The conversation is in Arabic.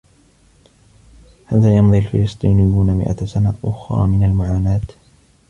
هل سيمضي الفلسطينيّون مئة سنة أخرى من المعاناة؟